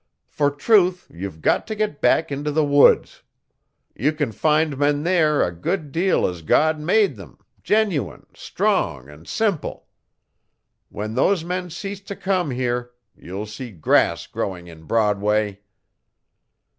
For truth you ve got to get back into the woods. You can find men there a good deal as God made them, genuine, strong and simple. When those men cease to come here you'll see grass growing in Broadway.